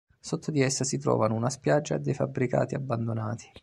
Sotto di essa si trovano una spiaggia e dei fabbricati abbandonati.